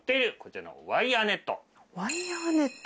ワイヤーネット？